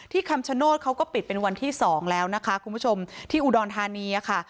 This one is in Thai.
คำชโนธเขาก็ปิดเป็นวันที่สองแล้วนะคะคุณผู้ชมที่อุดรธานีค่ะ